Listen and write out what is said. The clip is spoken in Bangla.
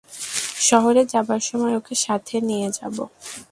শহরে যাবার সময় ওকে সাথে নিয়ে যাবো।